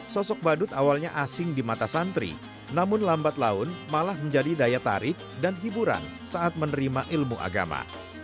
sosok badut awalnya asing di mata santri namun lambat laun malah menjadi daya tarik dan hiburan saat menerima ilmu agama